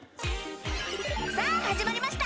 さあ、始まりました。